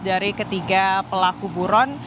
dari ketiga pelaku buron